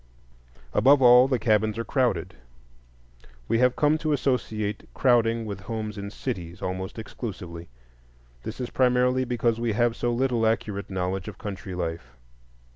Above all, the cabins are crowded. We have come to associate crowding with homes in cities almost exclusively. This is primarily because we have so little accurate knowledge of country life.